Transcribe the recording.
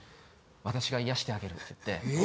「私が癒やしてあげる」って言って。